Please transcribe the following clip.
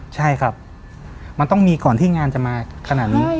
ใช่ครับมันต้องมีก่อนที่งานจะมาขนาดนี้